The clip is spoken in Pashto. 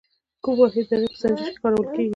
کوم واحد د هغې په سنجش کې کارول کیږي؟